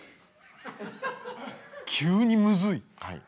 急にむずい。